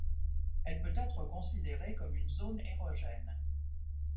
Elle peut être considérée comme une zone érogène.